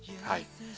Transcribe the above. はい。